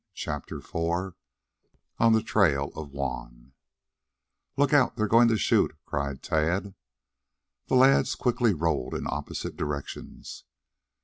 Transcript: CHAPTER IV ON THE TRAIL OF JUAN "Look out! They're going to shoot!" cried Tad. The lads quickly rolled in opposite directions.